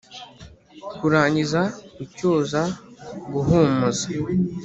kurangiza kucyoza guhumuza